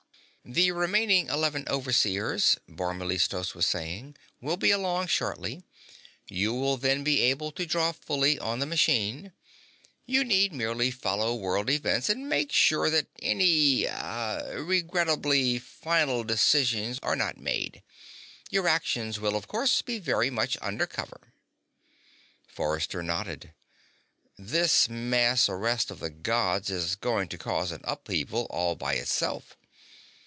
"The remaining eleven Overseers," Bor Mellistos was saying, "will be along shortly. You will then be able to draw fully on the machine. You need merely follow world events and make sure that any ah regrettably final decisions are not made. Your actions will, of course, be very much undercover." Forrester nodded. "This mass arrest of the Gods is going to cause an upheaval all by itself."